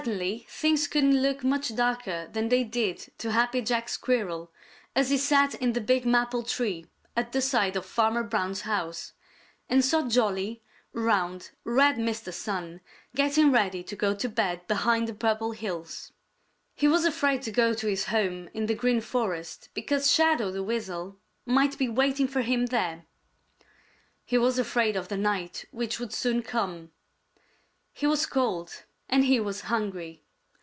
_ Certainly things couldn't look much darker than they did to Happy Jack Squirrel as he sat in the big maple tree at the side of Farmer Brown's house, and saw jolly, round, red Mr. Sun getting ready to go to bed behind the Purple Hills. He was afraid to go to his home in the Green Forest because Shadow the Weasel might be waiting for him there. He was afraid of the night which would soon come. He was cold, and he was hungry.